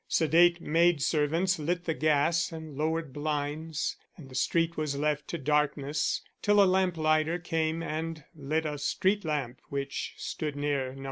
Sedate maidservants lit the gas and lowered blinds, and the street was left to darkness till a lamplighter came and lit a street lamp which stood near No.